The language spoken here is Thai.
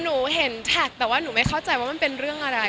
หนูเห็นแท็กแต่ว่าหนูไม่เข้าใจว่ามันเป็นเรื่องอะไร